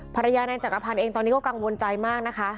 ภรรยานายจักรพันธ์เองตอนนี้ก็กังวลใจมากนะคะ